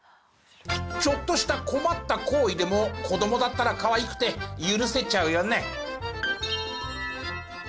ちょっとした困った行為でも子どもだったらかわいくて許せちゃうよね。